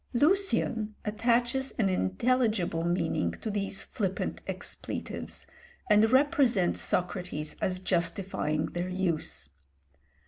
Lucian attaches an intelligible meaning to these flippant expletives, and represents Socrates as justifying their use.